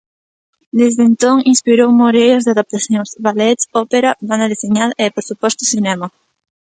Desde entón inspirou moreas de adaptacións: ballet, ópera, banda deseñada e, por suposto, cinema.